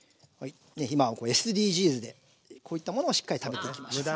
今はＳＤＧｓでこういったものをしっかり食べていきましょう。